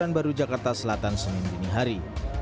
dan baru jakarta selatan senin dinihari